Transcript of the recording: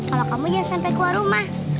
kalau kamu ya sampai keluar rumah